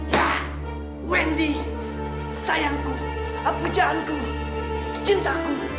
yah wendy sayangku apujaanku cintaku